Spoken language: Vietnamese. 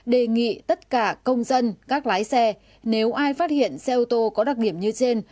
đề nghị tất cả công dân các lái xe nếu ai phát hiện xe ô tô có đặc điểm như trên